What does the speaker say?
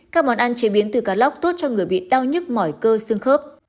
các món ăn chế biến từ cá lóc tốt cho người bị đau nhức mỏi cơ xương khớp